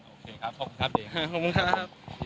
โอเคครับขอบคุณครับดีครับขอบคุณครับ